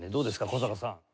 古坂さん。